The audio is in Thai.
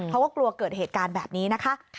เพราะว่ากลัวเกิดเหตุการณ์แบบนี้นะคะ